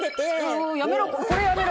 やめろ。